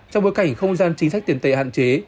trong bối cảnh không gian chính sách tiền tệ hạn chế